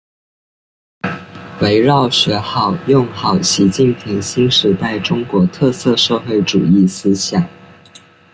围绕学好、用好习近平新时代中国特色社会主义思想